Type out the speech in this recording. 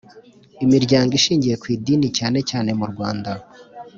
imiryango ishingiye ku idini cyane cyane murwanda